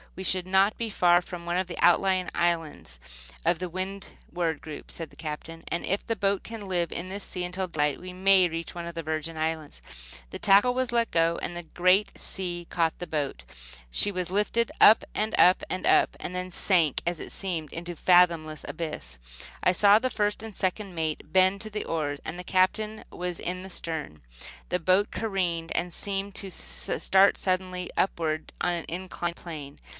"We should not be far from one of the outlying islands of the Windward group," said the captain; "and if the boat can live in this sea until daylight we may reach one of the Virgin Islands." The tackle was let go, and a great sea caught the boat. She was lifted up, and up, and up, and then sank, it seemed, into a fathomless abyss. I saw the first and second mate bend to the oars. The Captain was in the stern. The boat careened and seemed to start suddenly upward on an inclined plane.